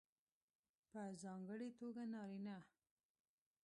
په ځانګړې توګه نارینه